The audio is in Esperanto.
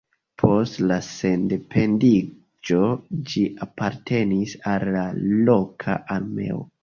Post la sendependiĝo ĝi apartenis al la loka armeo.